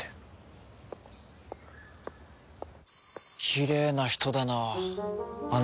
きれいな人だなあ。